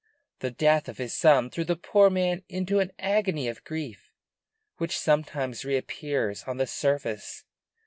The death of his son threw the poor man into an agony of grief, which sometimes reappears on the surface."